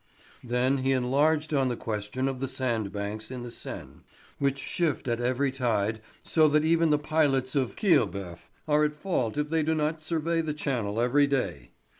Then he enlarged on the question of the sand banks in the Seine, which shift at every tide so that even the pilots of Quillebœuf are at fault if they do not survey the channel every day.